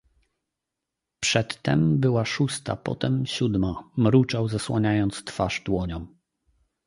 "Przed tem była szósta, potem siódma..., mruczał, zasłaniając twarz dłonią."